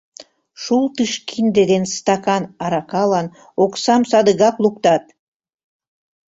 Шултыш кинде ден стакан аракалан оксам садыгак луктат.